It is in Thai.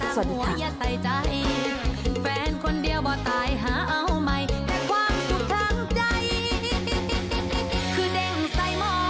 สวัสดีค่ะ